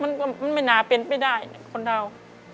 มันคือมันน้าแปรนไม่ได้นี่คนเรา